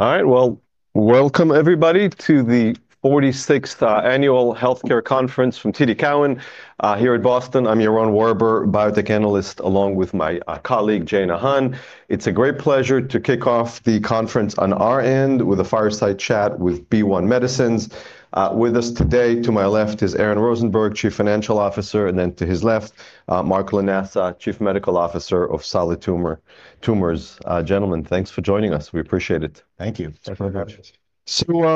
All right. Well, welcome everybody to the 46th annual healthcare conference from TD Cowen here at Boston. I'm Yaron Werber, biotech analyst, along with my colleague, Jaena Han. It's a great pleasure to kick off the conference on our end with a fireside chat with BeOne Medicines. With us today, to my left, is Aaron Rosenberg, Chief Financial Officer, to his left, Mark Lanasa, Chief Medical Officer of solid tumors. Gentlemen, thanks for joining us. We appreciate it. Thank you. Thanks very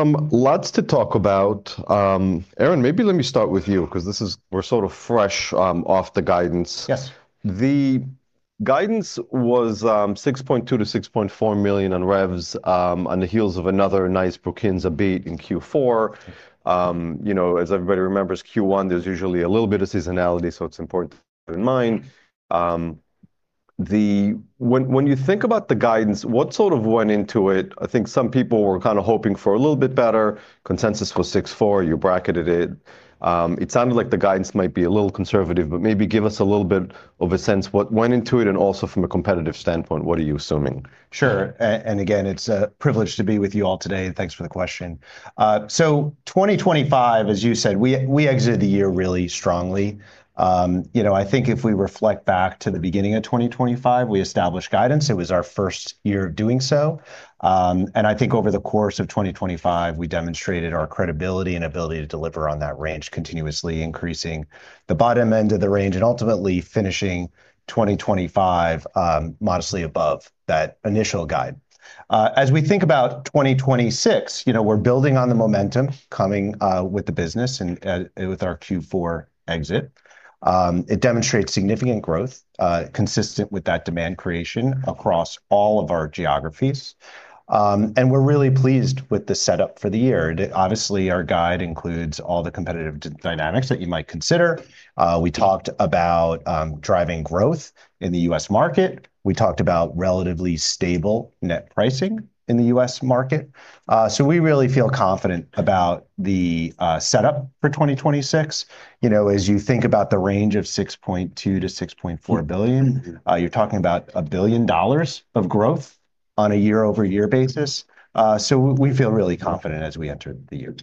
much. lots to talk about. Aaron, maybe let me start with you because we're sort of fresh, off the guidance. Yes. The guidance was $6.2 million-$6.4 million in revs on the heels of another nice BRUKINSA beat in Q4. You know, as everybody remembers, Q1, there's usually a little bit of seasonality, so it's important to keep in mind. When you think about the guidance, what sort of went into it? I think some people were kinda hoping for a little bit better. Consensus was $6.4, you bracketed it. It sounded like the guidance might be a little conservative, but maybe give us a little bit of a sense what went into it and also from a competitive standpoint, what are you assuming? Sure. Again, it's a privilege to be with you all today. Thanks for the question. 2025, as you said, we exited the year really strongly. You know, I think if we reflect back to the beginning of 2025, we established guidance. It was our first year of doing so. I think over the course of 2025, we demonstrated our credibility and ability to deliver on that range, continuously increasing the bottom end of the range, and ultimately finishing 2025 modestly above that initial guide. As we think about 2026, you know, we're building on the momentum coming with the business and with our Q4 exit. It demonstrates significant growth consistent with that demand creation across all of our geographies. We're really pleased with the setup for the year. Obviously, our guide includes all the competitive dynamics that you might consider. We talked about driving growth in the U.S. market. We talked about relatively stable net pricing in the U.S. market. We really feel confident about the setup for 2026. You know, as you think about the range of $6.2 billion-$6.4 billion. Mm-hmm... you're talking about $1 billion of growth on a year-over-year basis. We feel really confident as we enter the year.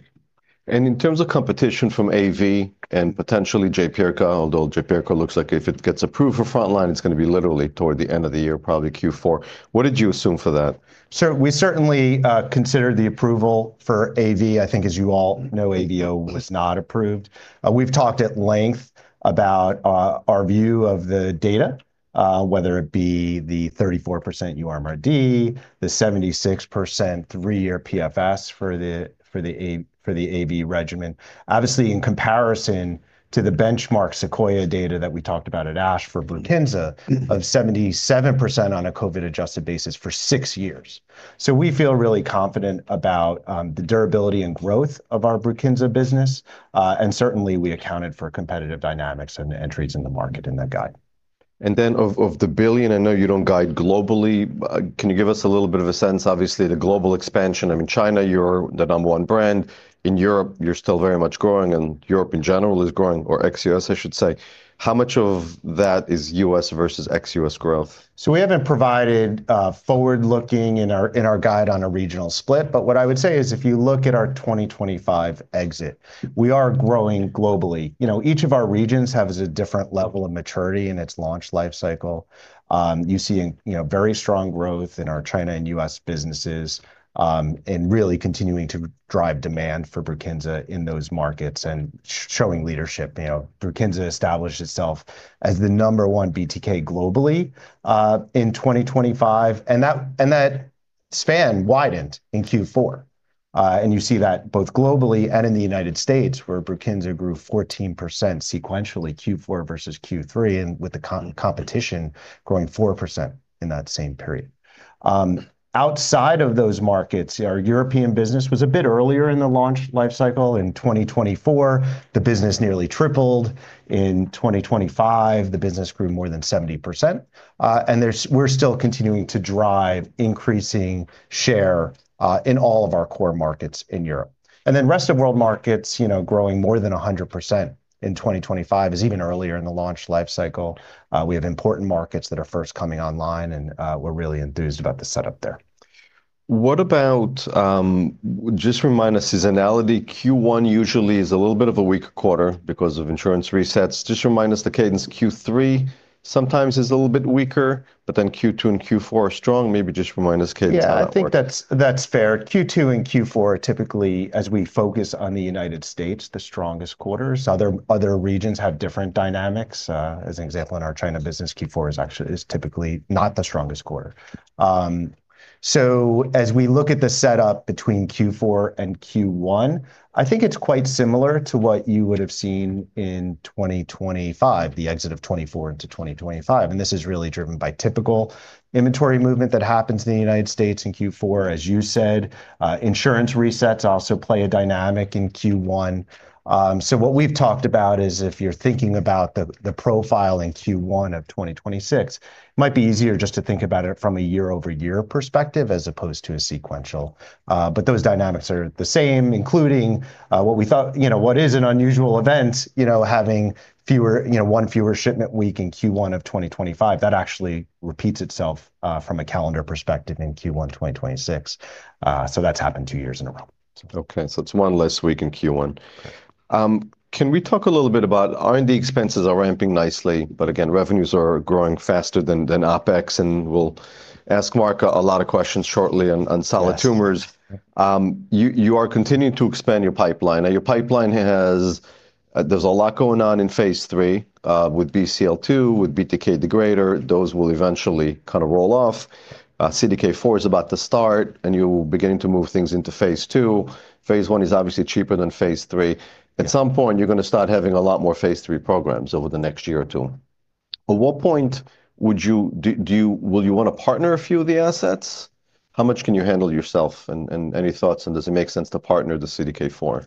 In terms of competition from AVO and potentially Jaypirca, although Jaypirca looks like if it gets approved for frontline, it's gonna be literally toward the end of the year, probably Q4, what did you assume for that? We certainly considered the approval for AVO. I think as you all know, AVO was not approved. We've talked at length about our view of the data, whether it be the 34% uMRD, the 76% 3-year PFS for the AVO regimen. Obviously, in comparison to the benchmark SEQUOIA data that we talked about at ASH for BRUKINSA. Mm-hmm... of 77% on a COVID-adjusted basis for six years. We feel really confident about the durability and growth of our BRUKINSA business. Certainly we accounted for competitive dynamics and the entries in the market in that guide. Of the billion, I know you don't guide globally. Can you give us a little bit of a sense? Obviously, the global expansion, I mean, China, you're the number one brand. In Europe, you're still very much growing, and Europe in general is growing, or ex-U.S., I should say. How much of that is U.S. versus ex-U.S. growth? We haven't provided forward looking in our guide on a regional split, but what I would say is if you look at our 2025 exit, we are growing globally. You know, each of our regions has a different level of maturity in its launch life cycle. You're seeing, you know, very strong growth in our China and U.S. businesses, and really continuing to drive demand for BRUKINSA in those markets and showing leadership. You know, BRUKINSA established itself as the number one BTK globally in 2025, and that span widened in Q4. You see that both globally and in the United States, where BRUKINSA grew 14% sequentially Q4 versus Q3, and with the competition growing 4% in that same period. Outside of those markets, our European business was a bit earlier in the launch life cycle. In 2024, the business nearly tripled. In 2025, the business grew more than 70%. We're still continuing to drive increasing share in all of our core markets in Europe. Rest of world markets, you know, growing more than 100% in 2025 is even earlier in the launch life cycle. We have important markets that are first coming online and we're really enthused about the setup there. What about, just remind us seasonality, Q1 usually is a little bit of a weaker quarter because of insurance resets. Just remind us the cadence. Q3 sometimes is a little bit weaker, but then Q2 and Q4 are strong. Maybe just remind us cadence, how that works. Yeah. I think that's fair. Q2 and Q4 are typically, as we focus on the United States, the strongest quarters. Other regions have different dynamics. As an example, in our China business, Q4 actually is typically not the strongest quarter. As we look at the setup between Q4 and Q1, I think it's quite similar to what you would have seen in 2025, the exit of 2024 into 2025, and this is really driven by typical inventory movement that happens in the United States in Q4. As you said, insurance resets also play a dynamic in Q1. What we've talked about is if you're thinking about the profile in Q1 of 2026, might be easier just to think about it from a year-over-year perspective as opposed to a sequential. But those dynamics are the same, including what we thought, you know, what is an unusual event, you know, having one fewer shipment week in Q1 of 2025. That actually repeats itself from a calendar perspective in Q1 2026. So that's happened two years in a row. Okay. It's one less week in Q1. Can we talk a little bit about R&D expenses are ramping nicely, but again, revenues are growing faster than OpEx, and we'll ask Mark a lot of questions shortly on solid tumors. Yes. You are continuing to expand your pipeline. Now, your pipeline has... there's a lot going on in phase III with BCL-2, with BTK degrader. Those will eventually kinda roll off. CDK4 is about to start, and you're beginning to move things into phase II. phase I is obviously cheaper than phase III. At some point, you're gonna start having a lot more phase III programs over the next year or two. At what point would you... Will you wanna partner a few of the assets? How much can you handle yourself? Any thoughts, and does it make sense to partner the CDK4?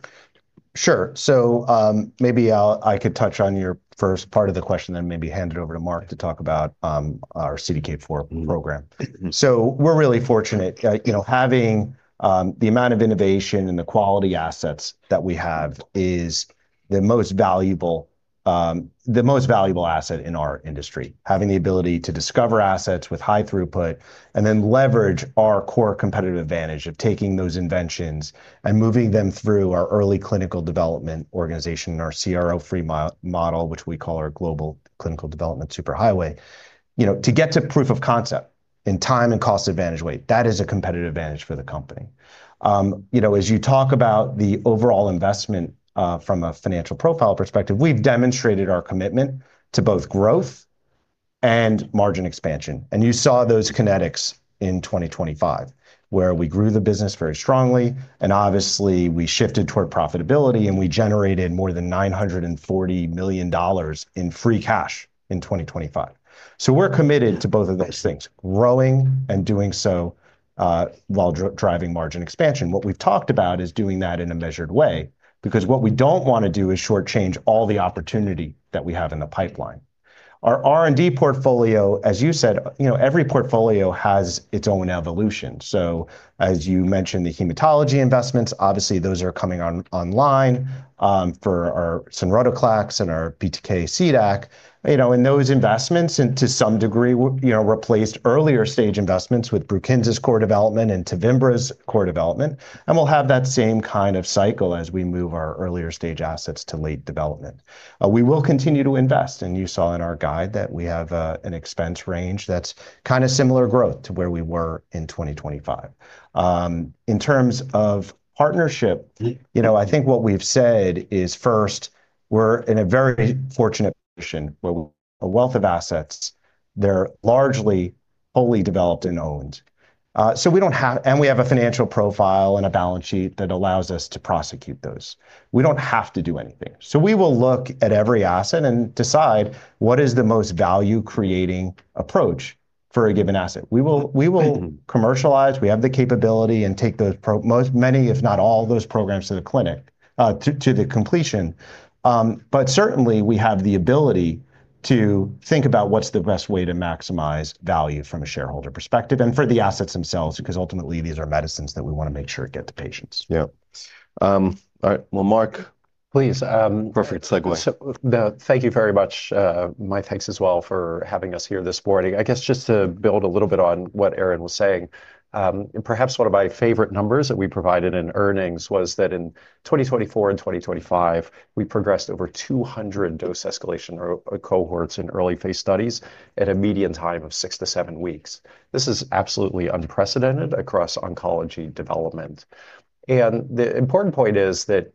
Sure. Maybe I could touch on your first part of the question, then maybe hand it over to Mark to talk about our CDK4 program. Mm-hmm. Mm-hmm. We're really fortunate. You know, having the amount of innovation and the quality assets that we have is the most valuable, the most valuable asset in our industry. Having the ability to discover assets with high throughput and then leverage our core competitive advantage of taking those inventions and moving them through our early clinical development organization and our CRO-free model, which we call our global clinical development superhighway, you know, to get to proof of concept in time and cost advantage way, that is a competitive advantage for the company. You know, as you talk about the overall investment, from a financial profile perspective, we've demonstrated our commitment to both growth and margin expansion. You saw those kinetics in 2025, where we grew the business very strongly, and obviously we shifted toward profitability, and we generated more than $940 million in free cash in 2025. We're committed to both of those things, growing and doing so, while driving margin expansion. What we've talked about is doing that in a measured way because what we don't wanna do is shortchange all the opportunity that we have in the pipeline. Our R&D portfolio, as you said, you know, every portfolio has its own evolution. As you mentioned, the hematology investments, obviously those are coming online, for our sonrotoclax and our BTK CDAC, you know, and those investments and to some degree, you know, replaced earlier stage investments with BRUKINSA's core development and TEVIMBRA's core development, and we'll have that same kind of cycle as we move our earlier stage assets to late development. We will continue to invest, and you saw in our guide that we have a an expense range that's kind of similar growth to where we were in 2025. In terms of partnership. Mm... you know, I think what we've said is, first, we're in a very fortunate position, where we've a wealth of assets. They're largely wholly developed and owned. And we have a financial profile and a balance sheet that allows us to prosecute those. We don't have to do anything. We will look at every asset and decide what is the most value-creating approach for a given asset. We will. Mm-hmm... commercialize, we have the capability, and take those many, if not all those programs to the clinic, to the completion. Certainly we have the ability to think about what's the best way to maximize value from a shareholder perspective and for the assets themselves, because ultimately these are medicines that we wanna make sure get to patients. Yeah. all right. Please. Perfect segue. Thank you very much, many thanks as well for having us here this morning. I guess just to build a little bit on what Aaron was saying, and perhaps one of my favorite numbers that we provided in earnings was that in 2024 and 2025, we progressed over 200 dose escalation or cohorts in early phase studies at a median time of six to seven weeks. This is absolutely unprecedented across oncology development. The important point is that,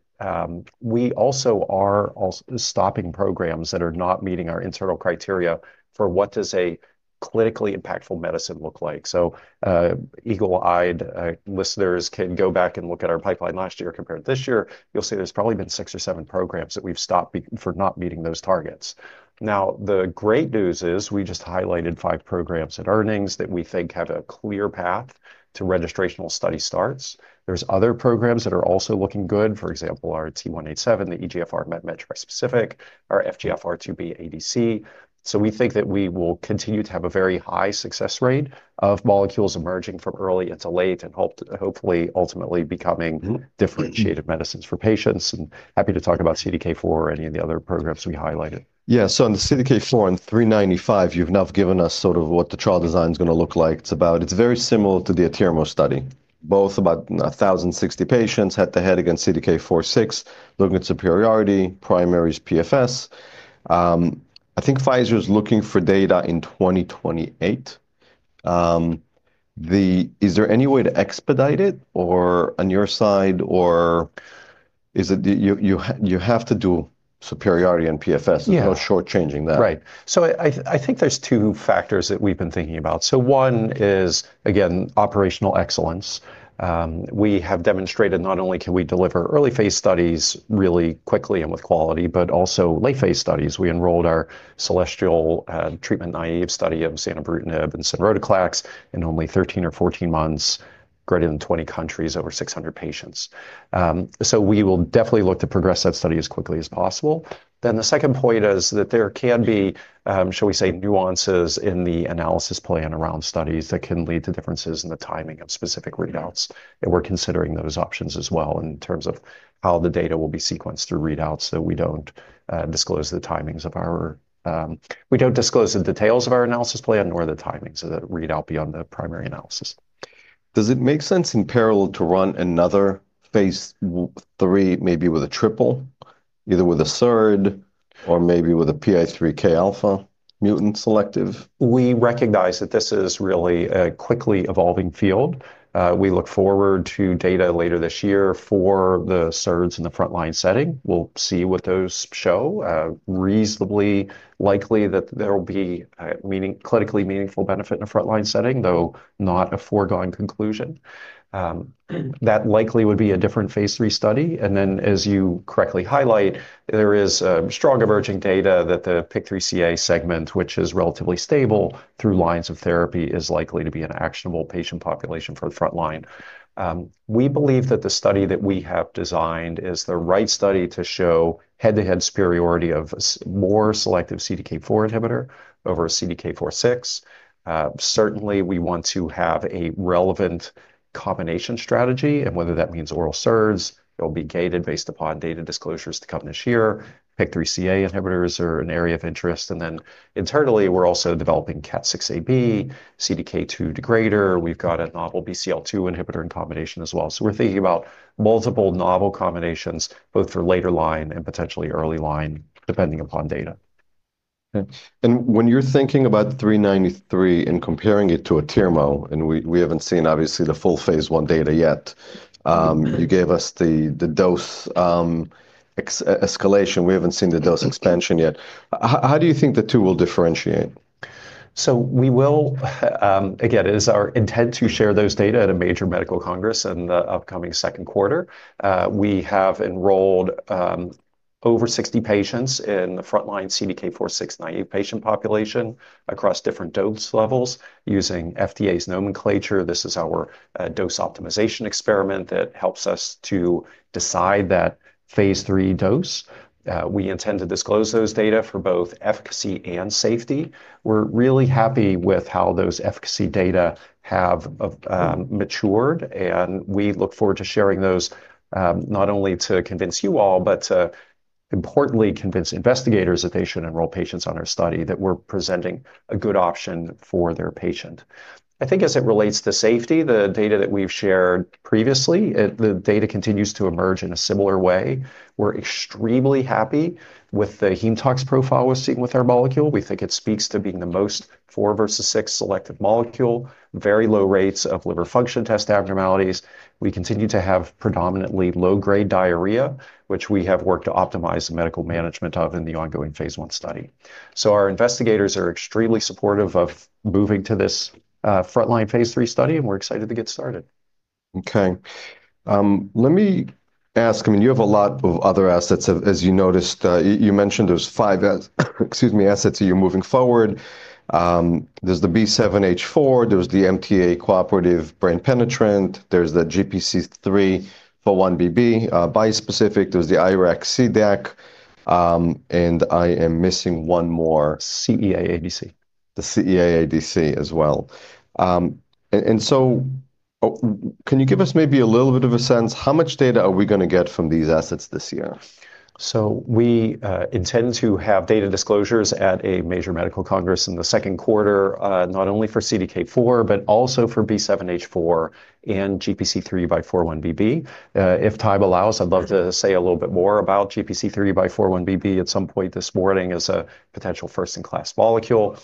we also are stopping programs that are not meeting our internal criteria for what does a clinically impactful medicine look like. Eagle-eyed listeners can go back and look at our pipeline last year compared to this year. You'll see there's probably been six or seven programs that we've stopped for not meeting those targets. The great news is we just highlighted five programs at earnings that we think have a clear path to registrational study starts. There's other programs that are also looking good, for example, our BG-T187, the EGFR MET trispecific, our FGFR2b ADC. We think that we will continue to have a very high success rate of molecules emerging from early into late and hopefully ultimately becoming. Mm-hmm... differentiated medicines for patients, and happy to talk about CDK4 or any of the other programs we highlighted. On the CDK4, on BGB-43395, you've now given us sort of what the trial design's gonna look like. It's very similar to the atirmociclib study, both about 1,060 patients, head to head against CDK4/6, looking at superiority, primary is PFS. I think Pfizer's looking for data in 2028. Is there any way to expedite it, or on your side, or is it you have to do superiority and PFS? Yeah there's no short-changing that? Right. I think there's two factors that we've been thinking about. One is, again, operational excellence. We have demonstrated not only can we deliver early phase studies really quickly and with quality, but also late phase studies. We enrolled our CELESTIAL-TNCLL treatment naive study of zanubrutinib and sonrotoclax in only 13 or 14 months, greater than 20 countries, over 600 patients. We will definitely look to progress that study as quickly as possible. The second point is that there can be, shall we say, nuances in the analysis plan around studies that can lead to differences in the timing of specific readouts. Yeah... and we're considering those options as well in terms of how the data will be sequenced through readouts, that we don't disclose the timings of our. We don't disclose the details of our analysis plan nor the timings of the readout beyond the primary analysis. Does it make sense in parallel to run another phase III maybe with a triple, either with a SERD or maybe with a PI3K alpha mutant selective? We recognize that this is really a quickly evolving field. We look forward to data later this year for the SERDs in the frontline setting. We'll see what those show. Reasonably likely that there will be a clinically meaningful benefit in a frontline setting, though not a foregone conclusion. That likely would be a different phase III study, and then as you correctly highlight, there is strong emerging data that the PIK3CA segment, which is relatively stable through lines of therapy, is likely to be an actionable patient population for the frontline. We believe that the study that we have designed is the right study to show head-to-head superiority of more selective CDK4 inhibitor over a CDK4/6. Certainly we want to have a relevant combination strategy and whether that means oral SERDs, it'll be gated based upon data disclosures to come this year. PIK3CA inhibitors are an area of interest, then internally, we're also developing KAT6, CDK2 degrader. We've got a novel BCL-2 inhibitor in combination as well. We're thinking about multiple novel combinations both for later line and potentially early line, depending upon data. Okay. When you're thinking about the 393 and comparing it to Afinitor, and we haven't seen obviously the full phase I data yet, you gave us the dose, escalation. We haven't seen the dose expansion yet. How do you think the two will differentiate? We will, again, it is our intent to share those data at a major medical congress in the upcoming second quarter. We have enrolled over 60 patients in the frontline CDK4/6/9/8 patient population across different dose levels using FDA's nomenclature. This is our dose optimization experiment that helps us to decide that phase III dose. We intend to disclose those data for both efficacy and safety. We're really happy with how those efficacy data have matured, and we look forward to sharing those, not only to convince you all, but to importantly convince investigators that they should enroll patients on our study, that we're presenting a good option for their patient. I think as it relates to safety, the data that we've shared previously, the data continues to emerge in a similar way. We're extremely happy with the hem tox profile we're seeing with our molecule. We think it speaks to being the most four versus six selective molecule, very low rates of liver function test abnormalities. We continue to have predominantly low-grade diarrhea, which we have worked to optimize the medical management of in the ongoing phase I study. Our investigators are extremely supportive of moving to this frontline phase III study, and we're excited to get started. Okay. I mean, you have a lot of other assets, as you noticed. You mentioned there's five assets that you're moving forward. There's the B7H4, there's the MTA cooperative brain penetrant, there's the GPC3-41BB bispecific, there's the IRAK CDAC, and I am missing one more. CEA-ADC. The CEA ADC as well. Can you give us maybe a little bit of a sense, how much data are we gonna get from these assets this year? We intend to have data disclosures at a major medical congress in the second quarter, not only for CDK4, but also for B7H4 and GPC3 by 41BB. If time allows, I'd love to say a little bit more about GPC3 by 41BB at some point this morning as a potential first-in-class molecule.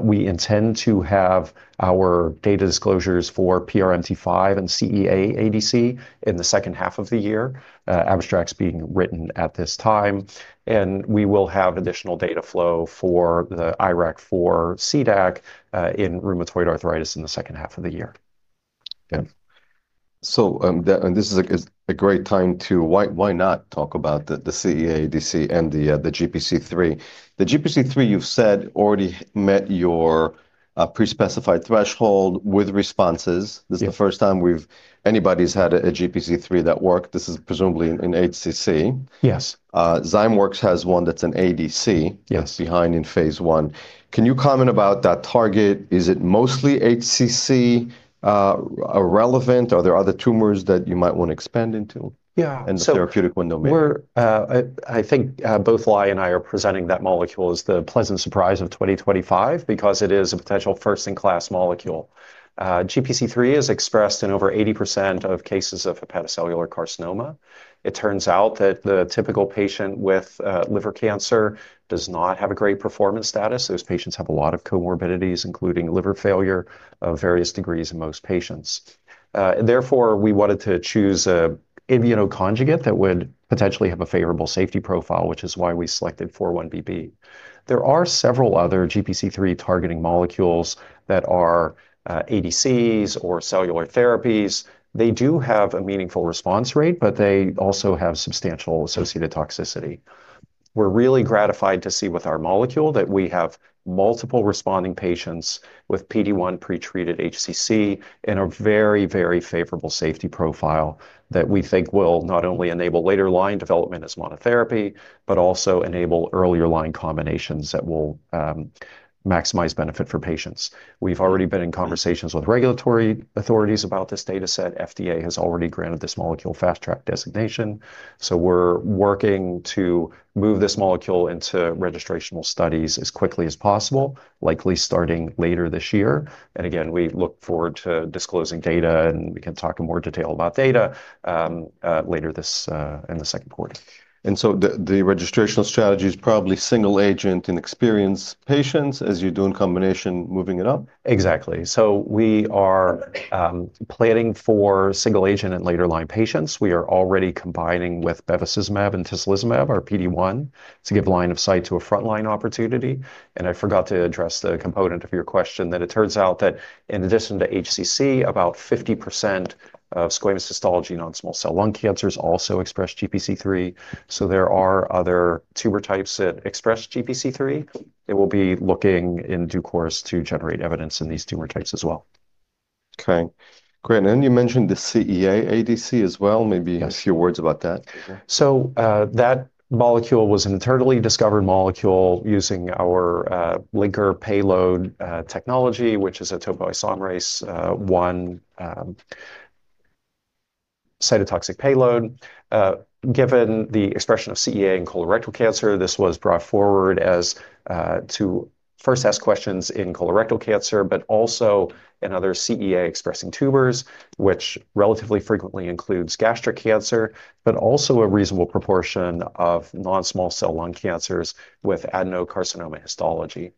We intend to have our data disclosures for PRMT5 and CEA-ADC in the second half of the year. Abstracts being written at this time. We will have additional data flow for the IRAK4 CDAC in rheumatoid arthritis in the second half of the year. Okay. This is a, is a great time to why not talk about the CEA ADC and the GPC3. The GPC3, you've said, already met your pre-specified threshold with responses. Yes. This is the first time anybody's had a GPC3 that worked. This is presumably in HCC. Yes. Zymeworks has one that's an ADC- Yes... that's behind in phase I. Can you comment about that target? Is it mostly HCC relevant? Are there other tumors that you might want to expand into? Yeah. The therapeutic window maybe? We're, I think, both Ly and I are presenting that molecule as the pleasant surprise of 2025 because it is a potential first-in-class molecule. GPC3 is expressed in over 80% of cases of hepatocellular carcinoma. It turns out that the typical patient with liver cancer does not have a great performance status. Those patients have a lot of comorbidities, including liver failure of various degrees in most patients. Therefore, we wanted to choose a immunoconjugate that would potentially have a favorable safety profile, which is why we selected 41BB. There are several other GPC3 targeting molecules that are ADCs or cellular therapies. They do have a meaningful response rate, but they also have substantial associated toxicity. We're really gratified to see with our molecule that we have multiple responding patients with PD-1 pre-treated HCC in a very, very favorable safety profile that we think will not only enable later line development as monotherapy, but also enable earlier line combinations that will maximize benefit for patients. We've already been in conversations with regulatory authorities about this data set. FDA has already granted this molecule fast track designation, so we're working to move this molecule into registrational studies as quickly as possible, likely starting later this year. Again, we look forward to disclosing data, and we can talk in more detail about data later this in the second quarter. The, the registrational strategy is probably single agent in experienced patients as you do in combination moving it up? Exactly. We are planning for single agent in later line patients. We are already combining with bevacizumab and tislelizumab, our PD-1, to give line of sight to a frontline opportunity. I forgot to address the component of your question that it turns out that in addition to HCC, about 50% of squamous histology non-small cell lung cancers also express GPC3. There are other tumor types that express GPC3, and we'll be looking in due course to generate evidence in these tumor types as well. Okay. Great. You mentioned the CEA ADC as well. Yes a few words about that. That molecule was an internally discovered molecule using our linker payload technology, which is a topoisomerase 1 cytotoxic payload. Given the expression of CEA in colorectal cancer, this was brought forward as to first ask questions in colorectal cancer, but also in other CEA-expressing tumors, which relatively frequently includes gastric cancer, but also a reasonable proportion of non-small cell lung cancers with adenocarcinoma histology.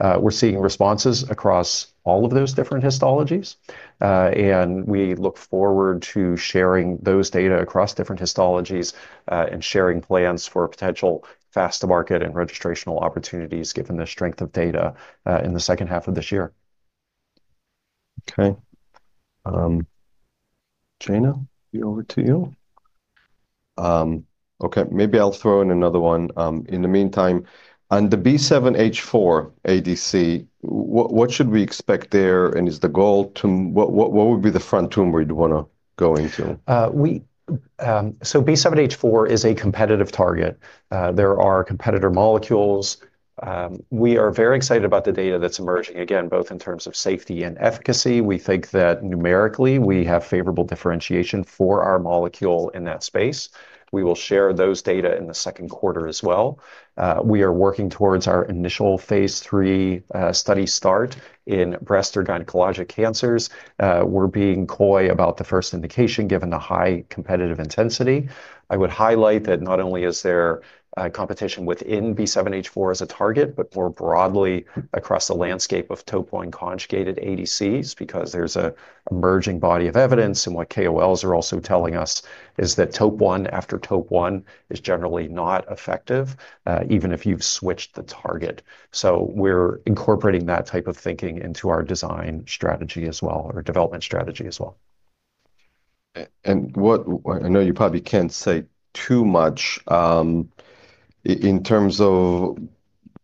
We're seeing responses across all of those different histologies, and we look forward to sharing those data across different histologies, and sharing plans for potential fast-to-market and registrational opportunities given the strength of data in the second half of this year. Okay. Jaena, over to you. Okay, maybe I'll throw in another one, in the meantime. On the B7H4 ADC, what should we expect there, and is the goal to... What would be the front tumor you'd wanna go into? B7H4 is a competitive target. There are competitor molecules. We are very excited about the data that's emerging, again, both in terms of safety and efficacy. We think that numerically we have favorable differentiation for our molecule in that space. We will share those data in the second quarter as well. We are working towards our initial phase III study start in breast or gynecologic cancers. We're being coy about the first indication given the high competitive intensity. I would highlight that not only is there competition within B7H4 as a target, but more broadly across the landscape of topoisomerase conjugated ADCs because there's an emerging body of evidence, and what KOLs are also telling us is that TOP1 after TOP1 is generally not effective, even if you've switched the target. We're incorporating that type of thinking into our design strategy as well, or development strategy as well. What I know you probably can't say too much, in terms of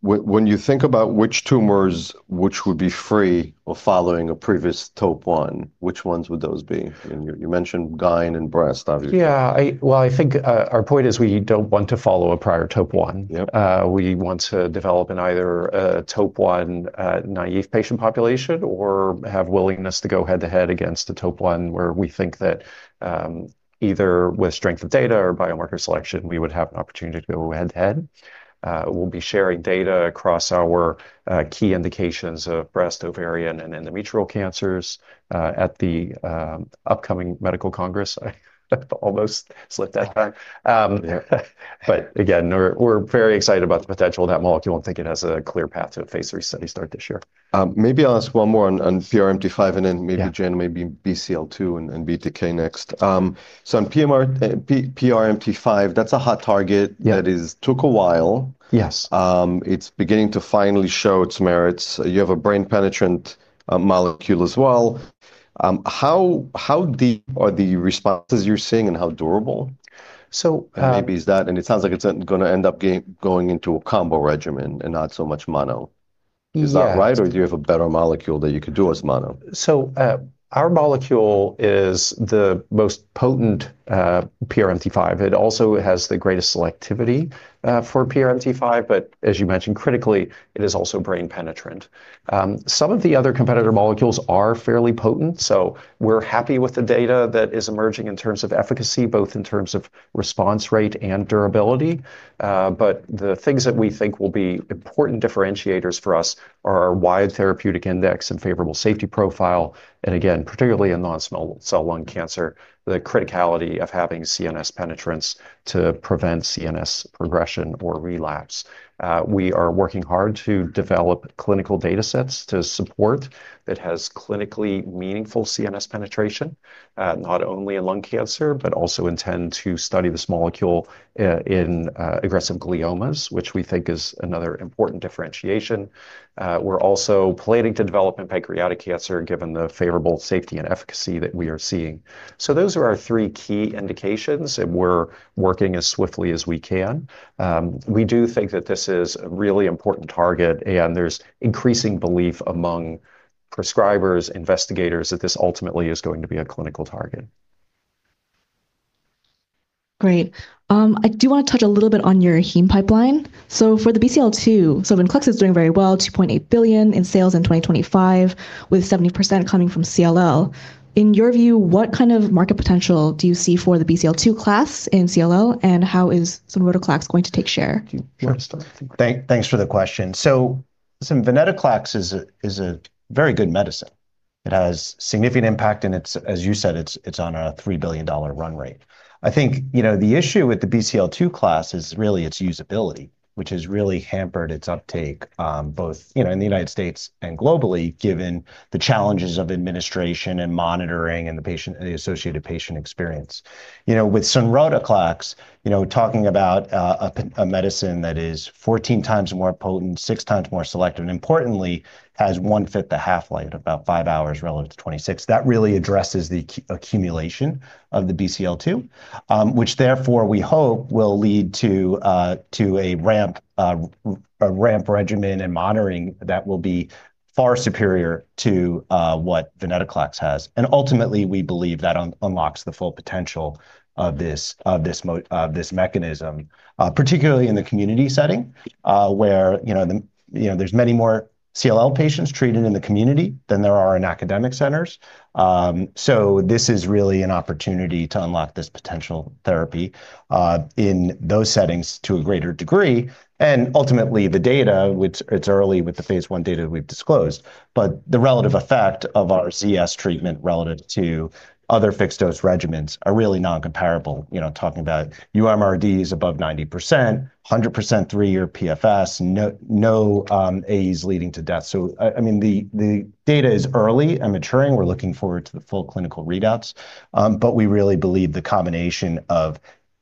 when you think about which tumors which would be free or following a previous TOP1, which ones would those be? You, you mentioned gyn and breast obviously. Yeah. Well, I think, our point is we don't want to follow a prior TOP1. Yep. We want to develop an either a TOP1 naive patient population or have willingness to go head-to-head against a TOP1 where we think that, either with strength of data or biomarker selection, we would have an opportunity to go head-to-head. We'll be sharing data across our key indications of breast, ovarian, and endometrial cancers, at the upcoming medical congress. I almost slipped that time. Yeah. Again, we're very excited about the potential of that molecule and think it has a clear path to a phase III study start this year. Maybe I'll ask one more on PRMT5. Yeah Jaena, maybe BCL-2 and BTK next. On PRMT5, that's a hot target- Yeah that is took a while. Yes. It's beginning to finally show its merits. You have a brain-penetrant molecule as well. How deep are the responses you're seeing and how durable? So, uh- Maybe is that. It sounds like it's gonna end up going into a combo regimen and not so much mono. Yeah. Is that right, or do you have a better molecule that you could do as mono? Our molecule is the most potent PRMT5. It also has the greatest selectivity for PRMT5, but as you mentioned, critically, it is also brain-penetrant. Some of the other competitor molecules are fairly potent, so we're happy with the data that is emerging in terms of efficacy, both in terms of response rate and durability. The things that we think will be important differentiators for us are our wide therapeutic index and favorable safety profile, and again, particularly in non-small cell lung cancer, the criticality of having CNS penetrance to prevent CNS progression or relapse. We are working hard to develop clinical data sets to support that has clinically meaningful CNS penetration, not only in lung cancer, but also intend to study this molecule in aggressive gliomas, which we think is another important differentiation. We're also planning to develop in pancreatic cancer, given the favorable safety and efficacy that we are seeing. Those are our three key indications, and we're working as swiftly as we can. We do think that this is a really important target, and there's increasing belief among prescribers, investigators, that this ultimately is going to be a clinical target. Great. I do wanna touch a little bit on your heme pipeline. For the BCL-2, venetoclax is doing very well, $2.8 billion in sales in 2025, with 70% coming from CLL. In your view, what kind of market potential do you see for the BCL-2 class in CLL, and how is sonrotoclax going to take share? Sure. Thanks for the question. venetoclax is a very good medicine. It has significant impact, and it's, as you said, it's on a $3 billion run rate. I think, you know, the issue with the BCL-2 class is really its usability, which has really hampered its uptake, both, you know, in the United States and globally, given the challenges of administration and monitoring and the associated patient experience. You know, with sonrotoclax, you know, talking about a medicine that is 14x more potent, 6x more selective, and importantly has 1/5 the half-life at about five hours relative to 26, that really addresses the accumulation of the BCL-2. Which therefore we hope will lead to a ramp regimen and monitoring that will be far superior to what venetoclax has. Ultimately we believe that unlocks the full potential of this, of this mechanism, particularly in the community setting, where, you know, there's many more CLL patients treated in the community than there are in academic centers. This is really an opportunity to unlock this potential therapy in those settings to a greater degree, and ultimately the data, which it's early with the phase I data we've disclosed, but the relative effect of our zanubrutinib and sonrotoclax treatment relative to other fixed dose regimens are really non-comparable. You know, talking about MRDs above 90%, 100% three-year PFS, no AEs leading to death. I mean, the data is early and maturing. We're looking forward to the full clinical readouts, but we really believe the combination of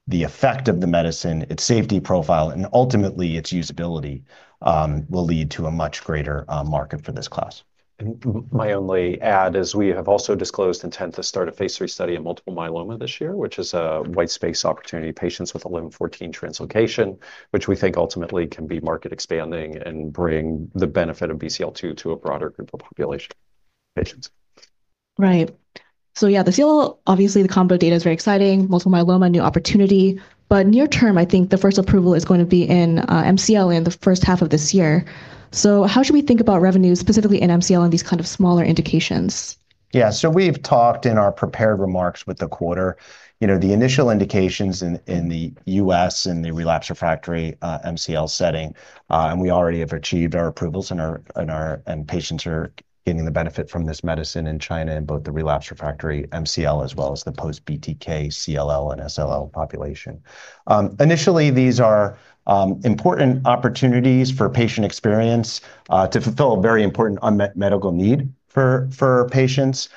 the effect of the medicine, its safety profile, and ultimately its usability, will lead to a much greater market for this class. My only add is we have also disclosed intent to start a phase III study in multiple myeloma this year, which is a white space opportunity, patients with a t(11;14) translocation, which we think ultimately can be market expanding and bring the benefit of BCL-2 to a broader group of population patients. Right. Yeah, the CLL, obviously the combo data is very exciting. Multiple myeloma, new opportunity. Near term, I think the first approval is going to be in MCL in the first half of this year. How should we think about revenue specifically in MCL and these kind of smaller indications? We've talked in our prepared remarks with the quarter, you know, the initial indications in the U.S. in the relapsed refractory MCL setting, and we already have achieved our approvals and our, and patients are getting the benefit from this medicine in China in both the relapsed refractory MCL as well as the post-BTK, CLL, and SLL population. Initially, these are important opportunities for patient experience, to fulfill a very important unmet medical need for patients.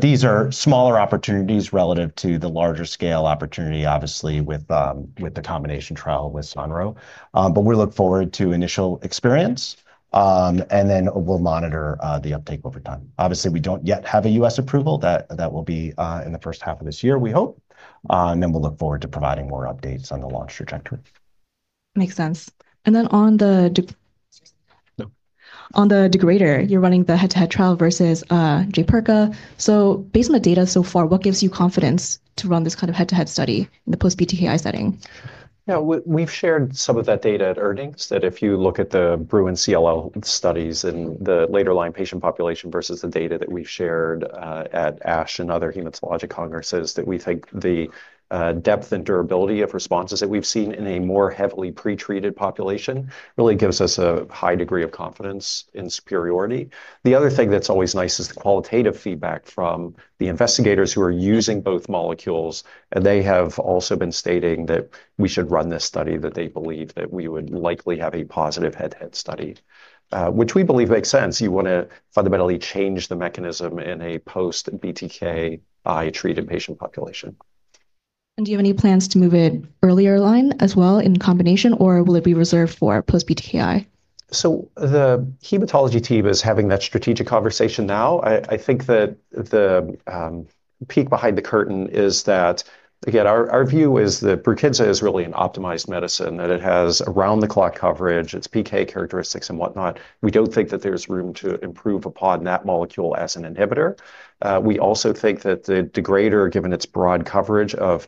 These are smaller opportunities relative to the larger scale opportunity, obviously with the combination trial with Sonro. We look forward to initial experience, and then we'll monitor the uptake over time. Obviously, we don't yet have a U.S. approval. That will be in the first half of this year, we hope, and then we'll look forward to providing more updates on the launch trajectory. Makes sense. Then on the de- No. On the degrader, you're running the head-to-head trial versus Jaypirca. Based on the data so far, what gives you confidence to run this kind of head-to-head study in the post-BTKI setting? Yeah. We've shared some of that data at earnings, that if you look at the BRUIN CLL study and the later line patient population versus the data that we've shared at ASH and other hematologic congresses, that we think the depth and durability of responses that we've seen in a more heavily pre-treated population really gives us a high degree of confidence in superiority. The other thing that's always nice is the qualitative feedback from the investigators who are using both molecules, and they have also been stating that we should run this study, that they believe that we would likely have a positive head-to-head study. Which we believe makes sense. You wanna fundamentally change the mechanism in a post-BTK by treated patient population. Do you have any plans to move it earlier line as well in combination, or will it be reserved for post-BTKI? The hematology team is having that strategic conversation now. I think that the peak behind the curtain is that, again, our view is that BRUKINSA is really an optimized medicine, that it has around the clock coverage, its PK characteristics and whatnot. We don't think that there's room to improve upon that molecule as an inhibitor. We also think that the degrader, given its broad coverage of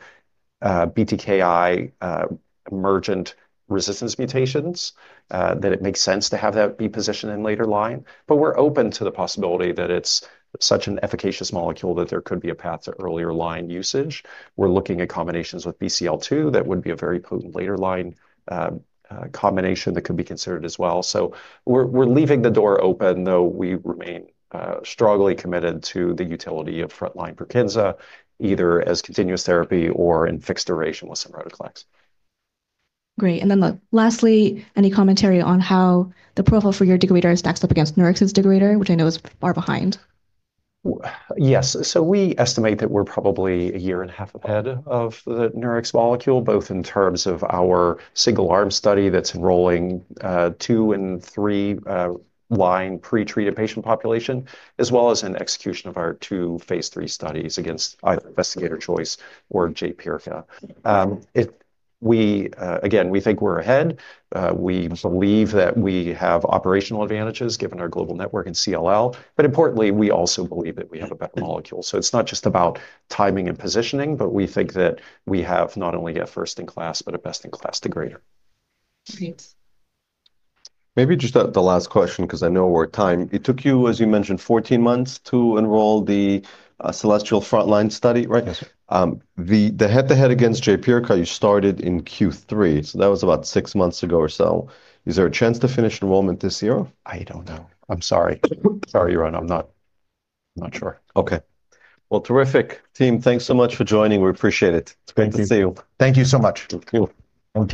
BTKI emergent resistance mutations, that it makes sense to have that be positioned in later line, but we're open to the possibility that it's such an efficacious molecule that there could be a path to earlier line usage. We're looking at combinations with BCL-2 that would be a very potent later line combination that could be considered as well. We're leaving the door open, though we remain strongly committed to the utility of frontline BRUKINSA, either as continuous therapy or in fixed duration with some sonrotoclax. Great. Lastly, any commentary on how the profile for your degrader stacks up against Nurix's degrader, which I know is far behind? Yes. We estimate that we're probably a year and a half ahead of the Nurix molecule, both in terms of our single arm study that's enrolling, two and three line pre-treated patient population, as well as in execution of our two phase III studies against either investigator choice or Jaypirca. Again, we think we're ahead. We believe that we have operational advantages given our global network in CLL. Importantly, we also believe that we have a better molecule. It's not just about timing and positioning, but we think that we have not only a first-in-class, but a best-in-class degrader. Thanks. Maybe just the last question, 'cause I know we're at time. It took you, as you mentioned, 14 months to enroll the CELESTIAL-TNCLL frontline study, right? Yes, sir. The head-to-head against Jaypirca, you started in Q3, so that was about six months ago or so. Is there a chance to finish enrollment this year? I don't know. I'm sorry. Sorry, Aaron, I'm not sure. Okay. Well, terrific. Team, thanks so much for joining. We appreciate it. It's great to see you. Thank you so much. Thank you.